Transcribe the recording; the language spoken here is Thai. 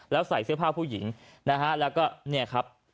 แล้วใส่เสื้อผ้าผู้หญิงนะฮะแล้วก็เนี่ยครับ